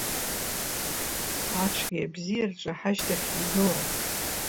Ацәгьеи абзиеи рҿы ҳашьҭахьгьы игылом.